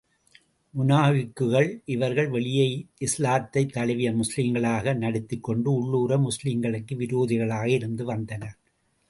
முனாபிக்குகள் இவர்கள் வெளியே இஸ்லாத்தைத் தழுவிய முஸ்லிம்களாக நடித்துக் கொண்டு, உள்ளுர முஸ்லிம்களுக்கு விரோதிகளாக இருந்து வந்தனர்.